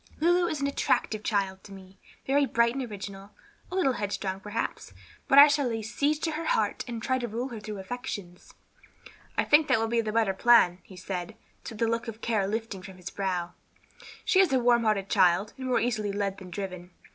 Lulu is an attractive child to me, very bright and original, a little headstrong, perhaps, but I shall lay siege to her heart and try to rule her through her affections." "I think that will be the better plan," he said, the look of care lifting from his brow; "she is a warm hearted child, and more easily led than driven.